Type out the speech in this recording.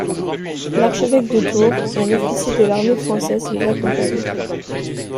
L'archevêque de Tours et un officier de l'armée française les accompagnent.